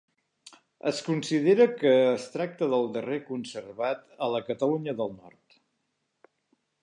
Es considera que es tracta del darrer conservat a la Catalunya del Nord.